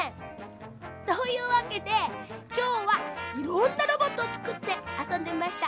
というわけできょうはいろんなロボットをつくってあそんでみました。